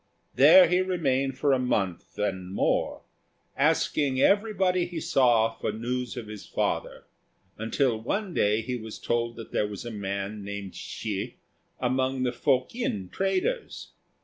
There he remained for a month and more, asking everybody he saw for news of his father, until one day he was told that there was a man named Hsi among the Fokien traders.